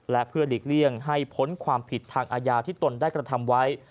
และเพื่อหลีกเลี่ยงให้พ้นความผิดทางอาญาที่ตนได้กระทำไว้